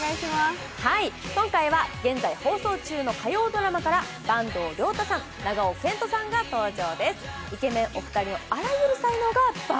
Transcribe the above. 今回は現在放送中の火曜ドラマから坂東龍汰さん、長尾謙杜さんが登場です。